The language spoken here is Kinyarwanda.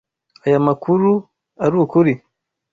Aya makuru arukuri?